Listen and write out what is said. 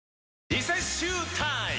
リセッシュータイム！